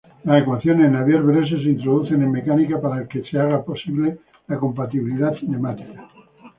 Las ecuaciones de Navier-Bresse se introducen en mecánica para sea posible la "compatibilidad cinemática".